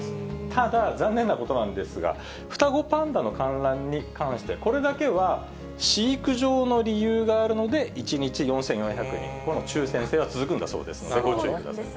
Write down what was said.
ただ、残念なことなんですが、双子パンダの観覧に関して、これだけは飼育上の理由があるので、１日４４００人、この抽せん制は続くんだそうですので、ご注意ください。